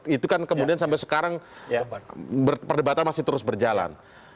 itu kan kemudian sampai sekarang perdebatan masih terus berjalan